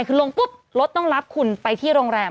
วันลุงปุ๊ปล็อตต้องรับคุณไปที่โรงแรม